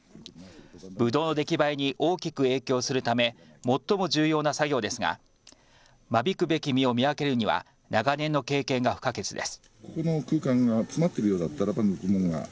ぶどうの出来栄えに大きく影響するため最も重要な作業ですが間引くべき実を見分けるには長年の経験が不可欠です。